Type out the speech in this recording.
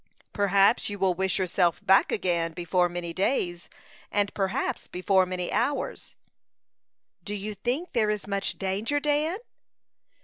"Perhaps you will wish yourself back again before many days, and perhaps before many hours." "Do you think there is much danger, Dan?"